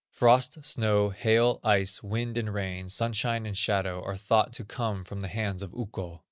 Frost, snow, hail, ice, wind and rain, sunshine and shadow, are thought to come from the hands of Ukko.